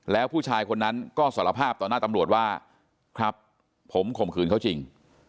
แล้วผู้ชายคนนั้นก็สารภาพต่อหน้าตำรวจว่าครับผมข่มขืนเขาจริง